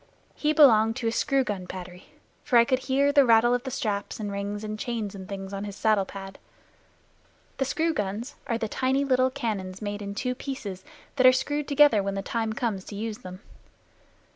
He belonged to a screw gun battery, for I could hear the rattle of the straps and rings and chains and things on his saddle pad. The screw guns are tiny little cannon made in two pieces, that are screwed together when the time comes to use them.